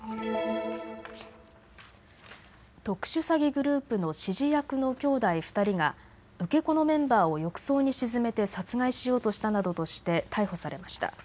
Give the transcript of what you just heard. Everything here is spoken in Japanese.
特殊詐欺グループの指示役の兄弟２人が受け子のメンバーを浴槽に沈めて殺害しようとしたなどとして逮捕されました。